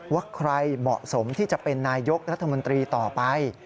ว่าใครเหมาะสมที่จะเป็นนายกรัฐมนตรีต่อไป